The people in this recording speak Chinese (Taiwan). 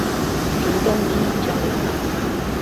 竹東一交流道